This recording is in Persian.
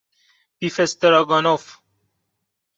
بیف استراگانف